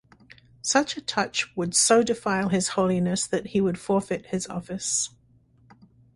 Such a touch would so defile his holiness that he would forfeit his office.